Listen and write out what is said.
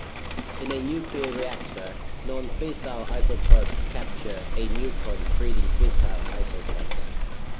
In a nuclear reactor non-fissile isotopes capture a neutron breeding fissile isotopes.